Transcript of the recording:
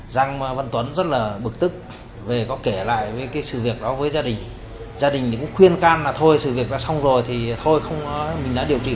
giang văn tuấn đã từng bị nạn nhân châu dùng dao chém gây thương tích ở chân trái và có phải điều trị